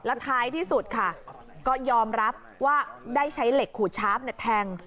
แล้วท้ายที่สุดค่ะก็ยอมรับว่าได้ใช้เหล็กขู่ช้าปเนี่ยแทง